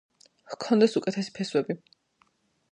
ჰქონდეს უკეთესი ფესვები.